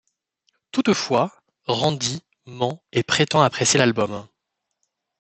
Toutefois, Randy ment et prétend apprécier l'album.